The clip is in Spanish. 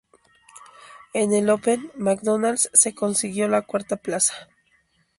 En el Open McDonald's se consiguió la cuarta plaza.